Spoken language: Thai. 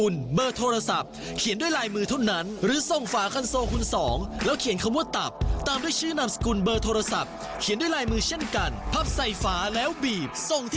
ย้ำเลยว่าเราเนี่ยจับจริงแจกจริง